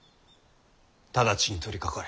直ちに取りかかれ。